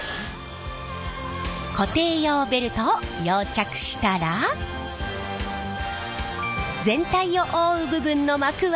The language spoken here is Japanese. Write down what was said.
固定用ベルトを溶着したら全体を覆う部分の膜は完成！